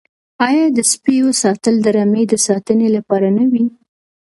آیا د سپیو ساتل د رمې د ساتنې لپاره نه وي؟